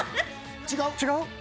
違う？